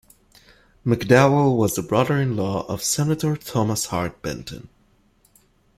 McDowell was the brother-in-law of Senator Thomas Hart Benton.